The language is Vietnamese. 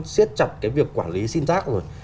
xiết chọc cái việc quản lý xin giác rồi